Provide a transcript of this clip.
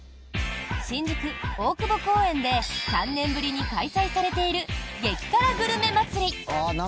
新宿・大久保公園で３年ぶりに開催されている激辛グルメ祭り。